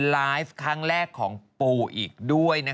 ไลฟ์ครั้งแรกของปู่อีกด้วย